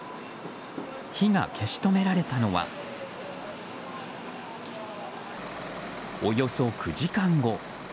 火が消し止められたのはおよそ９時間後。